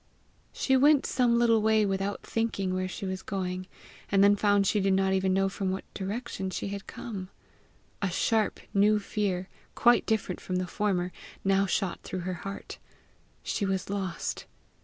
She went some little way without thinking where she was going, and then found she did not even know from what direction she had come. A sharp new fear, quite different from the former, now shot through her heart: she was lost!